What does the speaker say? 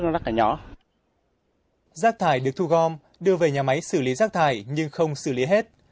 rác thải được thu gom đưa về nhà máy xử lý rác thải nhưng không xử lý hết